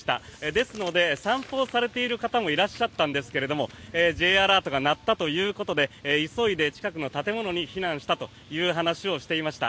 ですので散歩をされている方もいらっしゃったんですがＪアラートが鳴ったということで急いで近くの建物に避難したという話をしていました。